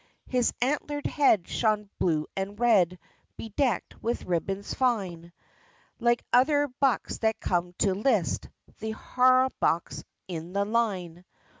His antlered head shone blue and red, Bedecked with ribbons fine; Like other bucks that come to 'list The hawbucks in the line.